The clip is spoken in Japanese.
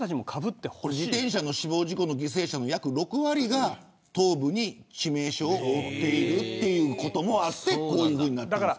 自転車の死亡事故の犠牲者の約６割が頭部に致命傷を負っているということもあってこうなっています。